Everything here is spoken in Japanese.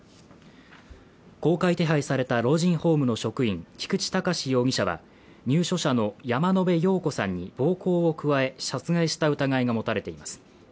公開手配された老人ホームの職員菊池隆容疑者は入所者の山野辺陽子さんに暴行を加え殺害した疑いが持たれています